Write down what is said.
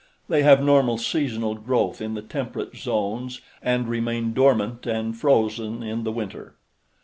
They have normal seasonal growth in the temperate zones and remain dormant and frozen in the winter.